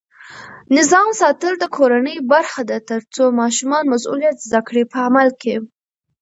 نظم ساتل د کورنۍ برخه ده ترڅو ماشومان مسؤلیت زده کړي په عمل کې.